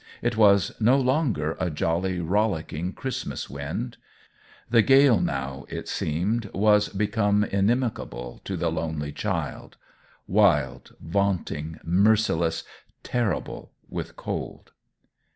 It was no longer a jolly, rollicking Christmas wind. The gale, now, it seemed, was become inimical to the lonely child: wild, vaunting, merciless, terrible with cold.